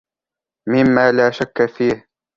مما لا شكّ فيهِ.